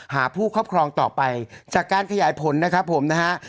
หาผู้ครอบครองต่อไปจากการขยายผลนะครับผมนะฮะ